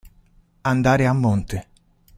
Andare a monte.